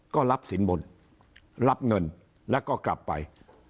ก็รับสินบนรับเงินแล้วก็กลับไป